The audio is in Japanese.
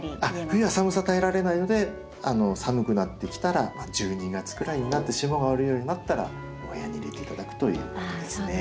冬は寒さ耐えられないので寒くなってきたら１２月ぐらいになって霜が降りるようになったらお部屋に入れて頂くということですね。